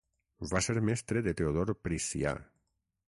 Va ser mestre de Teodor Priscià.